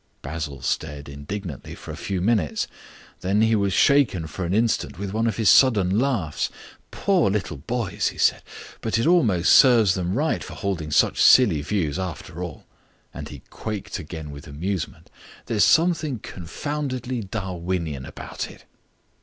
Basil stared indignantly for a few minutes. Then he was shaken for an instant with one of his sudden laughs. "Poor little boys," he said. "But it almost serves them right for holding such silly views, after all," and he quaked again with amusement "there's something confoundedly Darwinian about it."